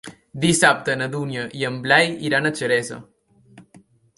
Dissabte na Dúnia i en Blai iran a Xeresa.